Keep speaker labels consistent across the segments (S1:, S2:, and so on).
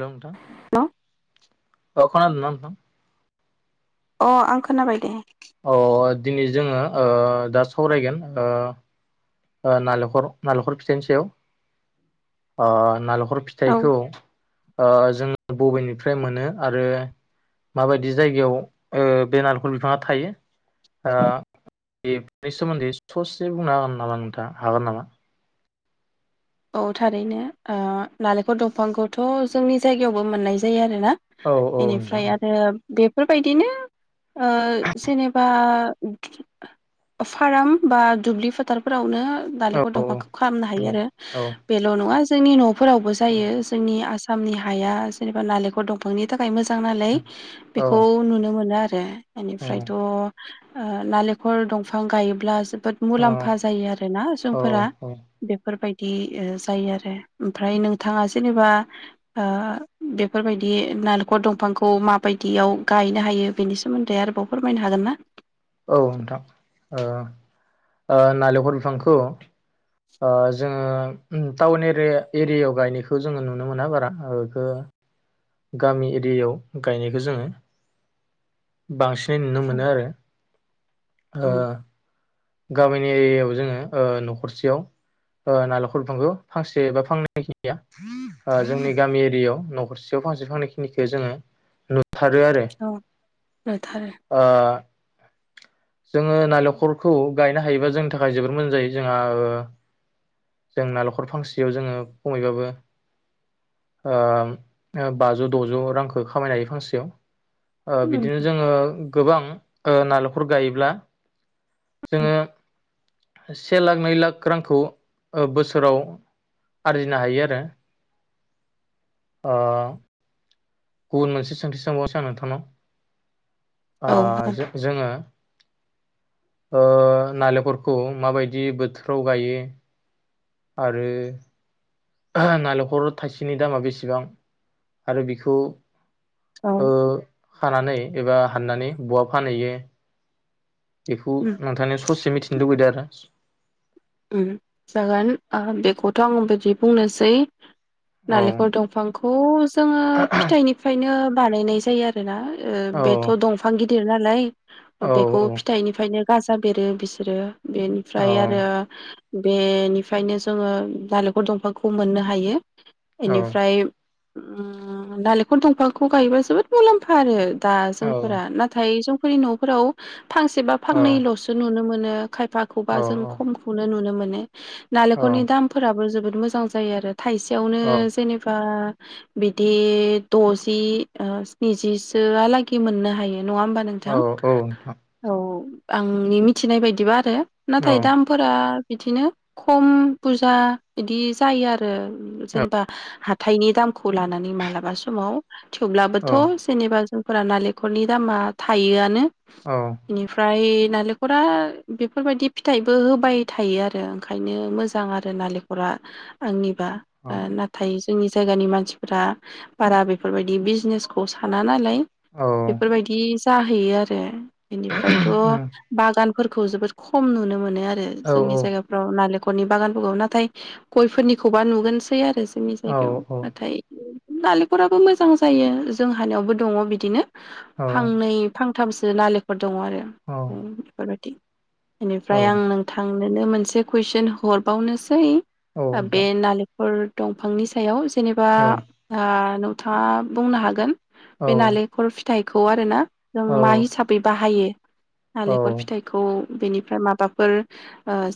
S1: हेल नोंथा
S2: हेल'
S1: अ खोनादोंना नों थां?
S2: अ आं खोनाबाय दे।
S1: अ दिनै जोङो ओ दा सावरायगोन ओ ओ नालेंखर नालेंखर फिथाइनि सायाव ओ नालेंख खर
S2: औ
S1: फिथाइखौ ओ जोङो बबेनिफ्राय मोनो आरो माबायदि जायगायाव ओ बे नालेंखल बिफाङा थायो ओ बे बेनि सोमोन्दै ससे बुंना होगोन नामा नों थाङा हागोन नामा?
S2: औ थारैनो ओ नालेखर दंफांखौथ' जोंनि जायगायावबो मोननाय जायो आरो ना?
S1: औ औ
S2: बेनिफ्राय
S1: नोंथां
S2: आरो बेफोरबायदिनो ओ जेनेबा [unintelligible] फार्म बा दुब्लि फोथारफोरावनो नालेखर
S1: औ
S2: दंफांखौ खालामनो हायो।
S1: औ औ
S2: बेेल' नङा जोंनि न फोरावबो जायो। जोंनि आसाम सामनि हाया जेनेबा नालेखर दंफांनि थाखाय थाखाय मोजां नालाय बेखौ नुनो मोनो आरो। [unintelligible] बेनिफ्रायथ' ओ नालेखर दंफां गायोब्ला जोब बोद मुलाम्फा जायो आरो ना
S1: औ
S2: जोंफोरा,
S1: औ
S2: बेफोरबाय दि ओ जायो आरो ओमफ्राय नोंथाङा जेनेबा ओ बेफोरबायदि नालेखर दंफांखौ माबायदियाव गायनो हायो बेनि सोमोन्दै आरोबाव फोरमायनो हागोन ना?
S1: औ नोंथां, ओ ओ नालेंखर बिफांखौ ओ जोङो टाउननि एरिया एरियायाव गायनायखौ जोङो नुनो मोना बारा ओ एखो गामि एरियायाव गायनायखौ जोङो बांसिन नै नुनो मोनो आरो। ओ गामिनि एरियायाव जोङो ओ नखरसेयाव ओ नालेंखर बिफांखौ फांसे एबा फांनै खिनिया ओ जोंनि गामि एरियायाव नखरसेयाव फांसे फांनै खिनिखौ जोङो नु थारो आरो
S2: औ
S1: ओ
S2: [unintelligible]
S1: जोङो नारेंखलखौ गायनो हायोबा जोंनि थाखाय जबोद मोजां जायो जोंहा ओ जों नालेंखल फांसेयाव जोङो खमैबाबो ओ बाजौ दजौ रांखौ खामायनो हायो फांसेयाव ओ बिदिनो जोङो गोबां ओ नालेख खर गायोब्ला जोङो से लाख नै लाख रांखौ ओ बोसोराव आरजिनो हायो आरो ओ गुबुन मोनसे सोंथि सोंबावनोसै आं नोंथांनाव
S2: औ हागोन
S1: अ जों जोङो ओ नालेंखलखौ माबायदि बोथोराव गायो आरो नालेंखल थाइसेनि दामा बेसेबां आरो बिखौ
S2: औ
S1: ओ खानानै एबा हाननानै बहा फानहैयो बेखौ
S2: उम
S1: नोंथांनियाव ससे मिथिनो लुबैदों आरो
S2: ओम जागोन अ बेखौथ आं बिदि बुंनोसै
S1: आरो
S2: नालेंखल दंफांखौ जोङो फिथाइनिफ्रायनो बानायनाय जायो आरोना ओ
S1: औ
S2: बेथ दंफां गिद दिर नालाय
S1: औ
S2: बेखौ
S1: औ
S2: फिथाइनिफ्रायनो गाजा बेरो बिसोरो बेनिफ्राय आरो बेनिफ्रायनो जोङो नालेंखर दंफांखौ मोननो हायो
S1: औ
S2: एनिफ्राय ओम नालेंखल दंफांखौ गायोबा जोबोद मुलामफा आरो दा
S1: औ
S2: जोंफोरा नाथाय जो फोरनि नफोराव फांसे बा
S1: औ
S2: फांनैलसो नुनो मोन नो खायफा
S1: औ
S2: खौबा जों खम नुनो मोनो। नालेंखरनि दामफोराबो जोबोद मोजां जायो आरो थाइसेयावनो
S1: औ
S2: जेनेबा, बिदि दजि स्निजिसो आलागै मोननो हायो, नङा होमबा
S1: औ
S2: नोंथां
S1: औ नोंथां
S2: औ आंनि मिथिनाय बायदिबा आरो
S1: औ
S2: नाथाय दाम, दा बिदिनो खम बुरजा बिदि जायो आरो जेनेबा हाथायनि दामखौ लानानै मालाबा समाव, थेवब्लाबो
S1: औ
S2: थ जेनबा जों फोरा नालेंखरनि दामा थायोआनो बेनिफ्राय नालेंखरा बेफोरबायदि फिथाइ बो होबाय थायो आरो ओंखायनो मोजां आरो नालेंखरा आंनि बा बा नाथाय, जोंनि जायगानि मानसिफ्रा बारा बेफोरबायदि बिजनेसखौ साना, नालाय
S1: औ
S2: बेफोरबायदि, जाहैयो आरो बेनिफ्रायथ' बागान फोरखौ जोबोद खम नुनो मोनो, आरो
S1: औ नोंथां औ
S2: जोंनि जायगाफोराव नालेंख न'खरनि बागानफोरखौ नाथाय गयफोरनिखौबा नुगोनसै आरो जोंनि जायगायाव नाथाय नालेंखराबो मोजां जायो जोंहानायावबो दङ बिदिनो, फांनै फां थामसो नालेंखर, दङ आरो उम बेफोरबायदि, बेनिफ्राय आंनों आंनोनो मोनसे कुइसन हरबावनोसै आबे नालें फोर दंफांनि सायाव जेनेबा
S1: औ
S2: [unintelligible] नोंथां बुंनो हागोन, बे नालेंखर फिथाइ खौ आरो ना जों मा हिसाबै बाहायो? नालेंखर फिथाइखौ बेनिफ्राय माबाफोर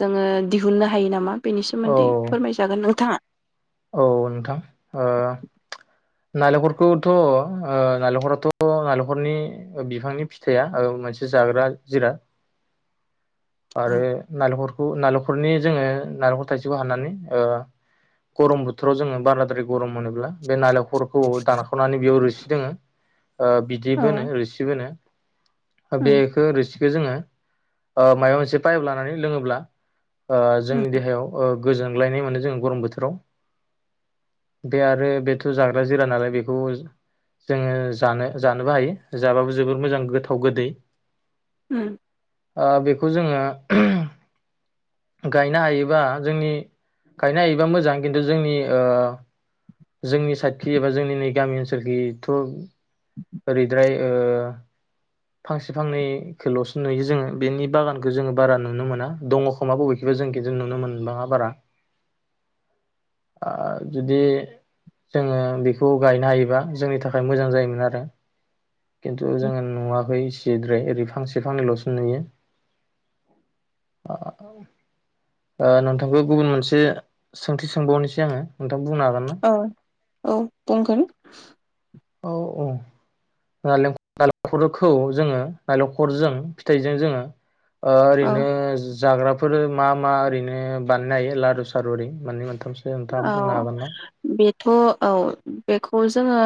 S2: जोङो दिहुननो हायो नामा? बेनि सोमोन्दै फोरमायजागोन नोंथाङा ।
S1: औ नोंथां नालेंखरखौथ नालेंखराथ नालेंखरनि बिफांनि फिथाइया मोनसे जाग्रा जिराद । आरो
S2: औ
S1: नालेंखर नालेंखरनि जोङो नालेंखर थाइसेखौ हाननानै गरम बोथोराव जोङो बाराद्राय गरम मोनोब्ला बे नालेंखरखौ दानाख खनानै बेयाव रोसि दङो बिदैबो होनो रोसिबो होनो
S2: उम
S1: बेखो रोसिखो जोङो अ माइबा मोनसे पाइप लानानै लोङोब्ला ओ
S2: उम
S1: जोंनि देहायाव ओ गोजोनग्लायनाय मोनो जोंङो गरम बोथोराव बे आरो बेथ जाग्रा जिराद नालाय बेखौ जोङो जानो जानोबो हायो जाबाबो जोबोर मोजां गोथाव गोदै ।
S2: उम।
S1: आ बे खौ जोङो [unintelligible] गायनो हायोबा जोंनि गायनो हायोबा मोजां खिन्थु जोंनि जोंनि साइडखि एबा जोंनि नै गामि ओनसोलखिथ ओरैद्राय फांसे फांनैखौलसो नुयो, जोङो बेनि बागानखौ जोङो बारा नुनो मोना दङ खोमा बबेखिबा जों खिन्थु नुनो मोनबाङा बारा आ जुदि जोङो बेखौ गायनो हायोबा जोंनि थाखाय मोजां जायोमोन आरो । खिन्थु
S2: उम
S1: जोङो नुवाखै । गद्राय ओरै फांसे फांनैलसो नुयो आ नोंथांखौ गुबुन मोनसे सोंथि सोंबावनोसै आङो नोंथां बुंनो हागोन ना?
S2: औ औ बुंगोन
S1: औ औ नालेंखरखौ जोङो नारेंखरजों फिथाइजों जोङो
S2: औ
S1: ओरैनो जाग्रा बेफोरो मा मा ओरैनो बानायनो हायो लारु सारु ओरै मान मोन थामसो नोंथा बुंनो हागोन ना?
S2: थ औ बेखौ जोङो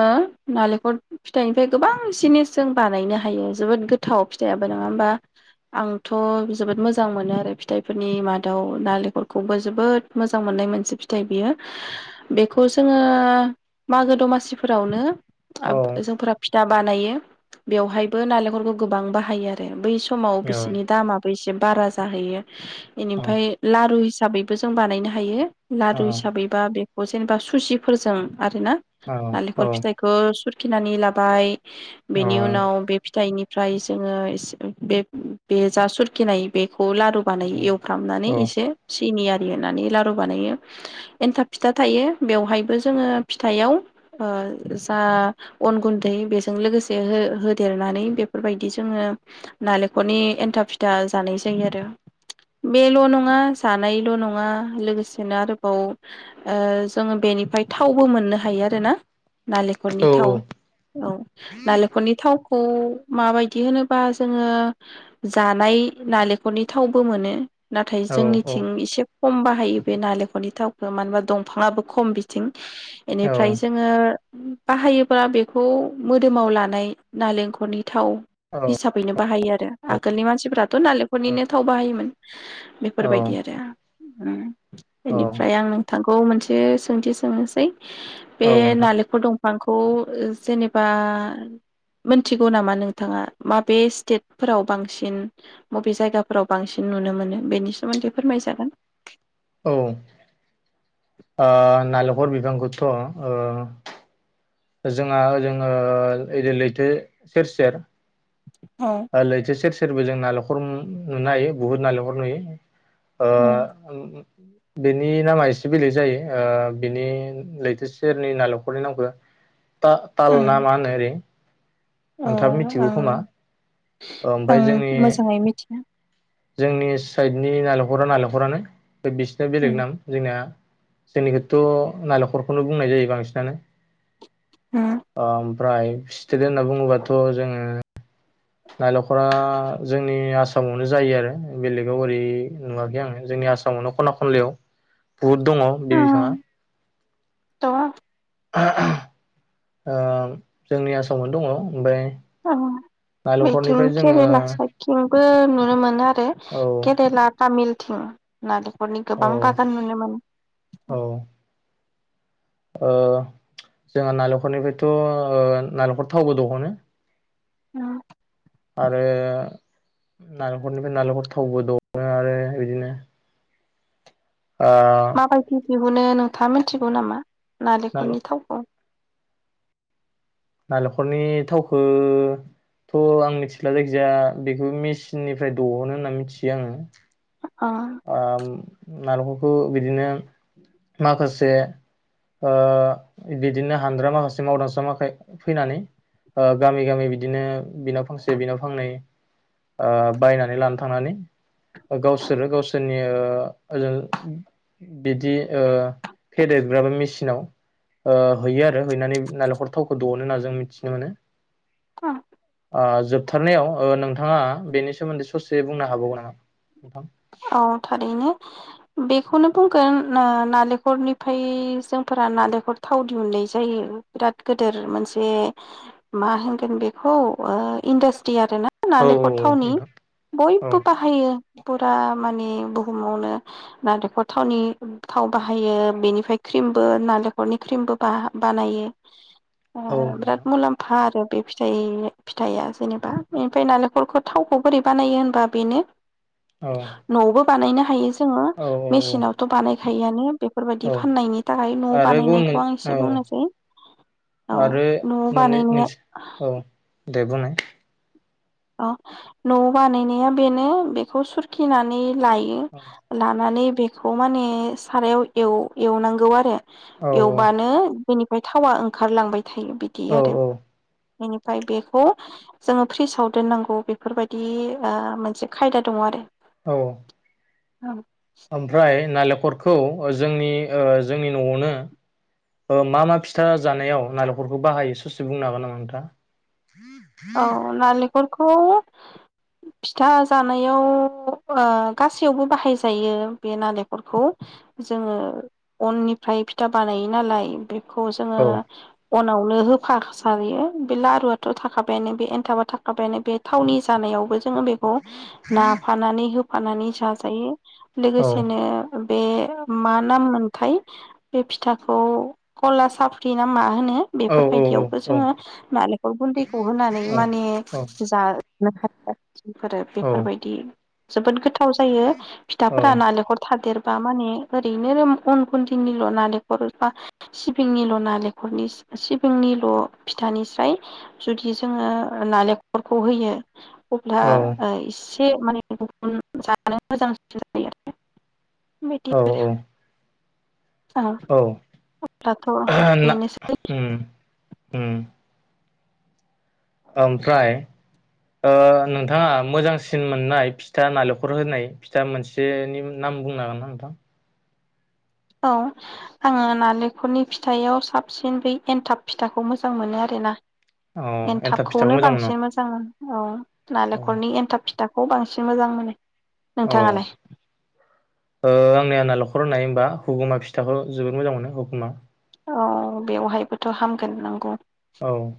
S2: नालेंखर फिथाइनिफ्राय गोबां जिनिस जों बानायनो हायो जोबोद गोथाव फिथाइाबो नङा होमबा? आंथ जोबोद मोजां मोनो आरो फिथाइफोरनि मादाव नालेंखरखौबो जोबोद मोजां मोननाय मोनसे फिथ फिथायाइ बियो बेखौ जोङो मागो दमासिफोरावनो
S1: औ
S2: जोंफोरा फिथा बानायो । बेवहायबो नालेंखरखौ गोबां बाहायो आरो बै सम समाव
S1: औ
S2: बिसोरनि दामाबो एसे से बारा जाहैयो ।
S1: औ
S2: बेनिफ्राय लारु हिसाबैबो जों बानायनो हायो ।
S1: औ
S2: लारु हिसाबैबा बे जेनेबा सुसिफोरजों आरो ना
S1: औ औ
S2: नालेंखल फिथाइखो सुर खिनानै लाबाय। बेनि उनाव बे फिथाइनि ओमफ्राय जोङो बे बे जासुरखिनाय बे लारु बानायो एवफ्रामनानै
S1: औ
S2: एसे सिनि आरि होननानै लारु बानायो। एन्थाब फिथा थायो बेवहायबो जोङो फिथाइयाव ओ जा अन गुन्दै बेजों लोगोसे हो होदेरनानै बेफोरबायदि जोङो नालेंखरनि एन्थाब फिथा जानाय जायो आरो बेल' नङा जानायल' नङा लोगोसेनो आरो साव ओ जोङो बेनिफ्राय थावबो मोननो हायो आरोना । नालेंखरनि थाव औ नालेंखरनि थाव खौ माबायदि होनोबा जोङो जानाय नालेखरनि थावबो मोनो। नाथाय जोंनिथिं एसे खम बाहायो बे नाले रनि थावखौ मानो‌ होनबा दंफाङाबो खम बिथिं। इनिफ्राय जोङो बाहायोब्ला बेखौ मोदोमाव लानाय नालेंखरनि थाव
S1: औ
S2: हिसाबैनो बाहायो आरो। आगोलनि मानसिफोरा थ नालेंखरनिनो थाव बाहायोमोन। बेफोरबायदि आरो। उम।
S1: औ
S2: बेनिफ्राय आं नोंथां खौ मोनसे सोंथि सोंनोसै बे
S1: औ नोंथां
S2: नालेंखर दं फांखौ जेनेबा मोनथिगौ नामा नोंथाङा माबे स्टेटफोराव बांसिन माबे जायगाफोराव बांसिन नुनो मोनो बेनि सोमोन्दै फोरमायजागोन।
S1: औ। ओ नालेंखर बिबांखौथ ओ जोंहा ओजों ओ लैथो सेर सेर
S2: औ
S1: ओ लैथो सेर‌ सेर सेरबो जों नालेंखर नुनो हायो बुहुत नालेंखर नुयो।
S2: उम
S1: ओ। बेनि नामा एसे बेलेग जायो ओ बिनि लैथो सेरनि नालेखरनि नामखो ता-ताल ना
S2: उम
S1: मा‌ होनो ओरै
S2: अ
S1: नोंथाङाबो मिथिगौ
S2: आं
S1: खोमा ओमफ्राय
S2: आं
S1: जोंनि
S2: मोजाङै मिथिया।
S1: जोंनि साइडनि नालेंखरा नालेंखरानो। बिसोरना बेलेग
S2: उम
S1: नाम जोंनिया जोंनिखौथ' नालेंखरखौनो बुंनाय जायो बांसिनानो
S2: उम
S1: ओम। ओमफ्राय सिट [unintelligible] होनना बुङोबाथ जोङो। नालेंखरा जोंनि आसाम आसामावनो [unintelligible] जायो आरो बेलेगाव ओरै नुवाखै आङो जोंनि आसामावनो खना खनलायाव बुहुद दङ बे बिफाङा
S2: उम थ'
S1: [unintelligible] ओ जोंनि आसामावनो दङ ओमफ्राय
S2: अह।
S1: नालेंखरनिफ्राय
S2: बिथिं
S1: जोङो
S2: केरेला
S1: औ
S2: साइथिंबो नुनो मोनो आरो केरेला तामिल। उम लादों। हरनि
S1: औ
S2: गोबां बागान नुनो
S1: औ
S2: मोनो।
S1: ओ जोंहा नालेंखलनिफ्रायथ' ओ नालेंखर थावबो दहनो।
S2: उम।
S1: आरो नालेंखलनिफ्राय नालेंखल थावबो दङो आरो बिदिनो ओ
S2: माबायदि दिहुनो नोंथामोन। थिगौ नामा? नालेंखरनि थावखौ।
S1: नालेंखरनि थावखोथ' आं मिथिला जायखिजाया बेखौ मेचिननिफ्राय दहनो होनना मिथियो आङो।
S2: ओह।
S1: ओ नालेंरफोरखौ बिदिनो माखासे ओ बिदिनो हानद्रा माखासे मावदांसाख फैनानै ओ गामि गामि बिदिनो बिनाव फांसे बिनाव फांनै ओ बायनानै लान थांनानै गावसोरो गावसोर। ओ बिदि फेदेरग्राबो मेसिनाव ओ हैयो आरो हैनानै नालेंखर थाव दौनो होना जों मिथिनो मोनो।
S2: अह।
S1: ओ जोबथारनायाव ओ नोंथाङा बेनि सोमोन्दै ससे बुंनो हाबावगोन नामा?
S2: औ थारैनो बेखौनो बुंगोन ओ नालेंखरनिफ्राय जोंफोरा नालेंखर थाव दिहुननाय जायो बिराद गोदिर मोनसे मा ओ होनगोन बेखौ इन्डास्ट्रि आरो ना?
S1: औ
S2: नालेंखर
S1: औ
S2: थावनि
S1: नोंथां औ
S2: बयबो बाहायो। माने बुहुमावनो नालेंखर थावनि थाव बाहायो बेनिफ्राय क्रिमबो नालेंखरनि क्रिमबो बानायो।
S1: औ
S2: ओह बिराद
S1: नोंथां
S2: मुलाम्फा आरो। बे फिथाइ फिथाइया जेनेबा ओमफ्राय नालेंखलखौ थावखौ बोरै बानायो होनबा बेनो।
S1: औ।
S2: न'आवबो बानायनो हायो। जोङो
S1: औ औ
S2: मिसिनावथ बानाय फ्रायानो बेफोरबायदि
S1: औ
S2: फाननायनि थाखाय न'
S1: आरो गुबुन
S2: बानायनायखौ आं एसे
S1: मोन औ
S2: बुंनोसै औ
S1: आरो
S2: न'
S1: मोननै
S2: बानायनाया
S1: मोनसे औ दे बुंनाय।
S2: अ न' बानायनाया बेनो बेखौ सुरखिनानै लायो
S1: औ
S2: लानानै बेखौ माने सारायाव एव एवनांगौ आरो।
S1: औ
S2: एवबानो बिनि थावा ओंखारलांबाय थायो बिदि
S1: औ
S2: आरो। बेनिफ्राय बेखौ जोङो फ्रिजाव दोननांगौ बेफोरबायदि ओ मोनसे खायदा दङ आरो।
S1: औ
S2: औ
S1: ओमफ्राय नालेख खरखौ जोंनि ओ जोंनि न'आवनो ओ मा मा फिथा जानायाव नालेंखरखौ बाहायो स'से बुंनो हागोन नामा नोंथांआ?
S2: औ नालेख खरखौ फिथा जानायाव ओ गासैयावबो बाहायजायो बे नालेंखरखौ जोङो अननिफ्राय फिथा बानायो नालाय बे खौ जोङो
S1: औ
S2: अनावनो होफासायो बे लारुआथ थाख थाखाबायानो बे एनथाबा थाखाबायानो बे थावनि जानायावबो ज बेखौ नाफानानै हो फानानै जाजायो।
S1: औ
S2: लोगोसेनो बे मा नाम मोनथाय बे फिथाखौ कला साफ्रि नामा होनो
S1: औ
S2: बेफोर बायदि
S1: औ
S2: आवबो
S1: औ
S2: जोङो नारेंखल गुन्दै खौ होनानै माने जा [unintelligible] फोरो
S1: औ
S2: बेफोरबायदि जोबोद गोथा थाव जायो फिथाफोरा नालेंखर थादेर बा माने ओरैनो अन गुन्दैनिल' नालेंखर बा सिबिंनिल' नालेंखरनि सिबिंनिल' फिथानिस्राय जुदि जोङो नालेंखलखो होयो। अब्ला ओ इसे से माने गुबुन जानो मोजांसिन जायो आरो। बेबादि
S1: औ
S2: आरो।
S1: औ
S2: ओ दाथ
S1: ना
S2: बेनोसै
S1: उम उम ओमफ्राय? ओ नोंथाङा मोजांसिन मोननाय फिथा नालेंखर होनाय फिथा मोनसेनि नाम बुंनो हागोन ना नोंथां?
S2: औ आङो नालेंखलनि फिथायाव साबसिन बै एनथाब फिथाखौ मोजां मोनो आरोना।
S1: औ एन्थाब फिथाखौ
S2: एनथाबखौनो
S1: मोजां मोनो
S2: बांसिन मोजां औ
S1: औ
S2: नालेखरनि एन्थाब फिथाब खौ बांसिन मोजां मोनो
S1: औ
S2: नोंथाङालाय?
S1: ओ आंनिआ नालेखर होननाय होनबा हुगुमा फिथाखौ जोबोद मोजां मोनो हुगुमा।
S2: अ बेवहायबोथ हामगोन नंगौ।
S1: औ